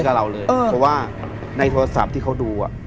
เพราะว่าในโทรศัพท์ที่เขาดู